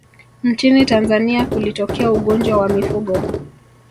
nchini tanzania kulitokea ugonjwa wa mifugo